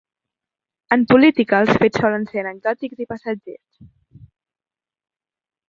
En política els fets solen ser anecdòtics i passatgers.